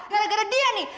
gara gara dia nih